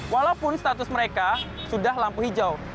walaupun status mereka sudah lampu hijau